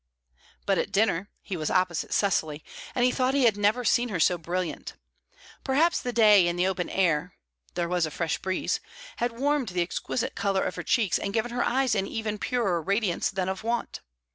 But at dinner he was opposite Cecily, and he thought he had never seen her so brilliant. Perhaps the day in the open air there was a fresh breeze had warmed the exquisite colour of her cheeks and given her eyes an even purer radiance than of wont.